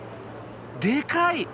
でかい！